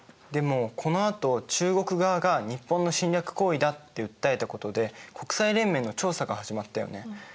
でもこのあと中国側が「日本の侵略行為だ」って訴えたことで国際連盟の調査が始まったよね。